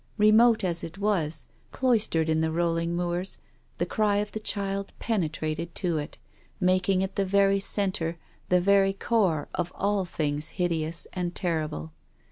Remote as it was, cloistered in the rolling moors, the cry of the child penetrated to it, making it the very centre, the very core of all things hideous and terrible.